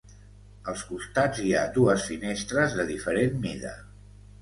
Als costats hi ha dues finestres de diferent mida.